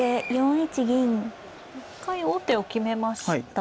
一回王手を決めました。